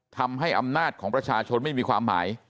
ทำให้อำนาจของประชาชนไม่มีความหมาย